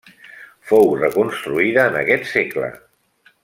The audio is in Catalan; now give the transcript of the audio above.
Fou reconstruïda en aquest segle.